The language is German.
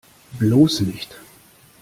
Bloß nicht!